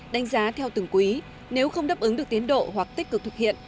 đánh giá theo từng quý nếu không đáp ứng được tiến độ hoặc tích cực thực hiện